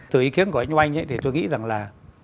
từ ý kiến của anh ngoanh thì tôi nghĩ rằng là